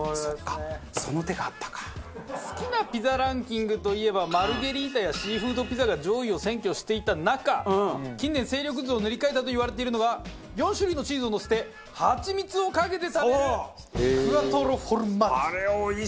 好きなピザランキングといえばマルゲリータやシーフードピザが上位を占拠していた中近年勢力図を塗り替えたといわれているのが４種類のチーズをのせてハチミツをかけて食べるクアトロフォルマッジ。